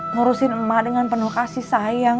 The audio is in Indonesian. ngurusin emak dengan penuh kasih sayang